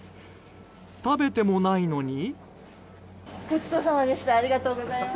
食べてもないのに。